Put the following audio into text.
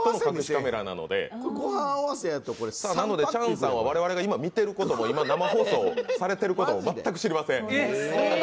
カメラなので、チャンさんは我々が今見ていることも、生放送されてることも全く知りません。